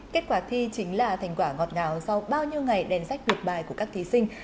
kết quả thi chính là thành quả ngọt ngào sau bao nhiêu ngày đèn sách được bài của các thí sinh